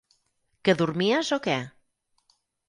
Que dormies o què?